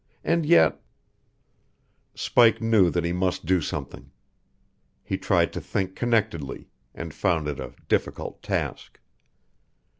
And yet Spike knew that he must do something. He tried to think connectedly, and found it a difficult task.